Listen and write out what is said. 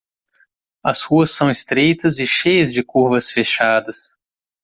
As ruas são estreitas e cheias de curvas fechadas.